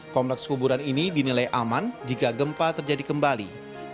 kompleks kuburan ini dinilai aman jika gempa terjadi kembali